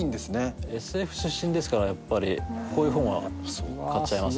ＳＦ出身ですからやっぱりこういう本は買っちゃいます。